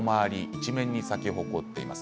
一面に咲き誇っています。